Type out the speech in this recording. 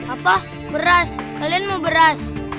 apa beras kalian mau beras